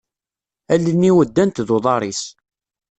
Allen-iw ddant d uḍar-is.